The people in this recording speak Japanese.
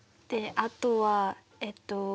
であとはえっと